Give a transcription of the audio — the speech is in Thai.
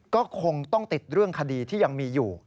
ก็คงต้องติดเรื่องคดีที่ยังมีอยู่